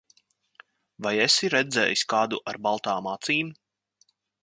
Vai esi redzējis kādu ar baltām acīm?